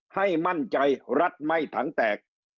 ให้มั่นใจรัฐไม่ถังแตก